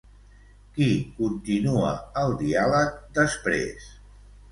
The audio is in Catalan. Qui continua el diàleg després?